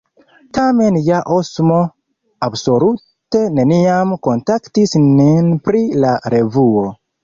Tamen ja Osmo absolute neniam kontaktis nin pri la revuo.